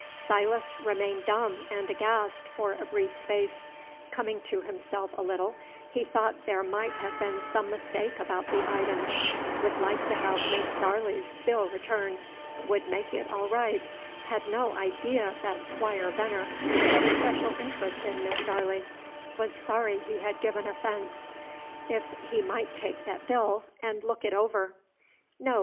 Silas remained dumb and aghast for a brief space. Coming to himself a little, he thought there might have been some mistake about the items, would like to have Miss barley's bill returned, would make it all right, had no idee that Squire Venner had a special int'rest in Miss barley, was sorry he had given offence, if he might take that bill and look it over "No.